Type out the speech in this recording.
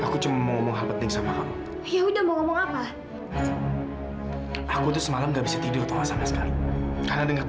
ketemu di rumah sesuatu lagi